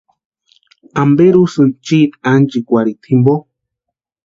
¿Amperi úsïni chiiti ánchikwarhita jimpo?